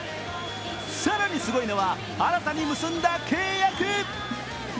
更にすごいのは新たに結んだ契約。